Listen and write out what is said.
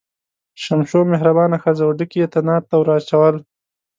شمشو مهربانه ښځه وه، ډکي یې تنار ته ور واچول.